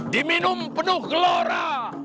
diminum penuh lora